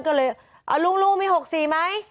ก็เลยเอาลูกมี๖๔ไหม